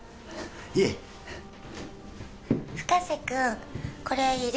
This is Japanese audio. いえ深瀬君これいる？